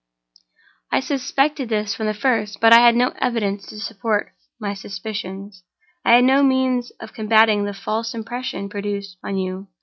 "I suspected this from the first, but I had no evidence to support my suspicions; I had no means of combating the false impression produced on you.